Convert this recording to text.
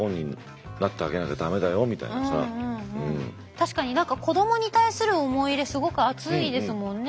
確かに何か子どもに対する思い入れすごく熱いですもんね